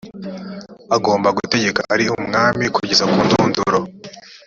agomba gutegeka ari umwami kugeza kundunduro